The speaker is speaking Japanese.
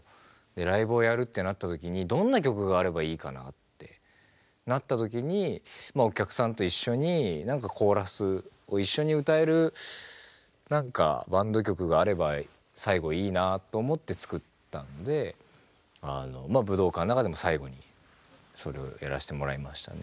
ライブをやるってなった時にどんな曲があればいいかなってなった時にお客さんと一緒に何かコーラスを一緒に歌える何かバンド曲があれば最後いいなと思って作ったんで武道館の中でも最後にそれをやらせてもらいましたね。